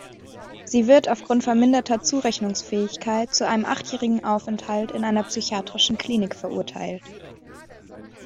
Sie wird aufgrund verminderter Zurechnungsfähigkeit zu einem achtjährigen Aufenthalt in einer psychiatrischen Klinik verurteilt.